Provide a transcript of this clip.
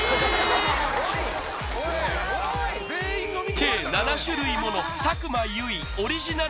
計７種類もの佐久間由衣オリジナル